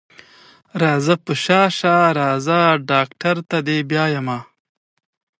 راځه په شا شه راځه ډاکټر ته دې بيايمه.